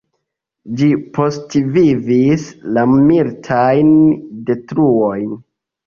Ĝi postvivis la militajn detruojn.